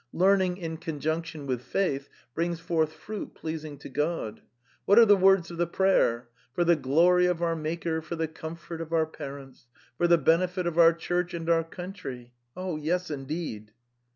Learning in conjunction with faith brings forth fruit pleasing to God. What are the words of the prayer? For the glory of our Maker, for the com fort of our parents, for the benefit of our Church andour counthyis se Yes, indeed!)